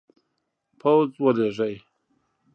پوځ ولیږي.